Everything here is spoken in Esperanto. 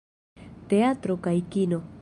Teatro kaj kino.